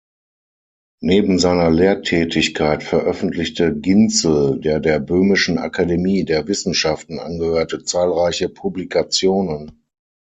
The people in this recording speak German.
Neben seiner Lehrtätigkeit veröffentlichte Ginzel, der der Böhmischen Akademie der Wissenschaften angehörte, zahlreiche Publikationen.